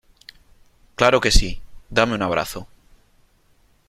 Claro que sí . Dame un abrazo .